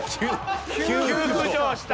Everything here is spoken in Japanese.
急浮上した。